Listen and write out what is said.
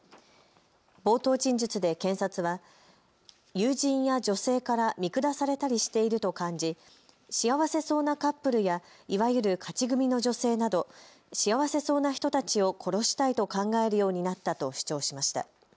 冒頭陳述で検察は友人や女性から見下されたりしていると感じ幸せそうなカップルや、いわゆる勝ち組の女性など幸せそうな人たちを殺したいと考えるようになったと主張しました。